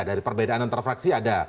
dari perbedaan antar fraksi ada